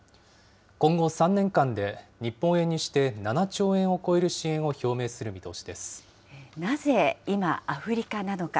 今後３年間で日本円にして７兆円を超える支援を表明する見通しでなぜ今、アフリカなのか。